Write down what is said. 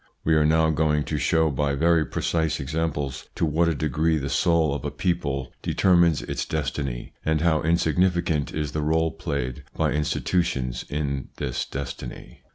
We are now going to show by very precise examples to what a degree the soul of a 138 THE PSYCHOLOGY OF PEOPLES 139 people determines its destiny, and how insignificant is the role played by institutions in this destiny.